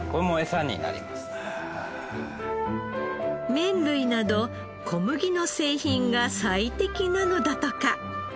麺類など小麦の製品が最適なのだとか。